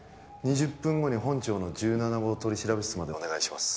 ２０分後に本庁の１７号取調室までお願いします